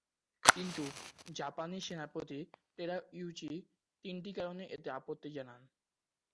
কিন্তু জাপানি সেনাপতি টেরাউচি তিনটি কারণে এতে আপত্তি জানান।